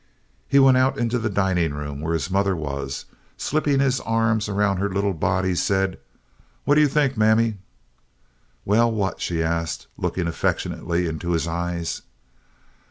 He went out into the dining room, where his mother was, and slipping his arms around her little body, said: "What do you think, Mammy?" "Well, what?" she asked, looking affectionately into his eyes.